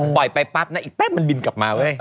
ไปปั๊บนะอีกแป๊บมันบินกลับมาเว้ย